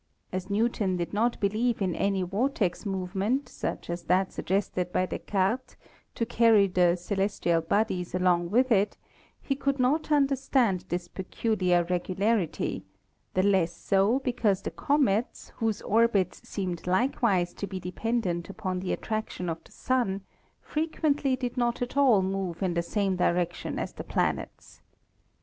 As Newton did not believe in any vortex movement, such as that sug gested by Descartes, to carry the celestial bodies along with it, he could not understand this peculiar regularity, the less so because the comets, whose orbits seemed like wise to be dependent upon the attraction of the Sun, fre quently did not at all move in the same direction as the planets.